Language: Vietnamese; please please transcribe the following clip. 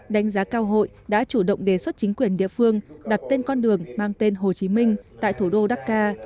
đánh giá cao hội đã chủ động đề xuất chính quyền địa phương đặt tên con đường mang tên hồ chí minh tại thủ đô dkha